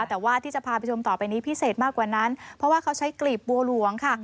แต่ว่าที่จะพาไปชมต่อไปนี้พิเศษมากกว่านั้นเพราะว่าเขาใช้กลีบบัวหลวงค่ะ